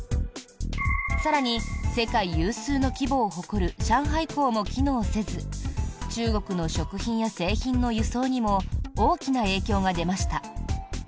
更に、世界有数の規模を誇る上海港も機能せず中国の食品や製品の輸送にも大きな影響が出ました。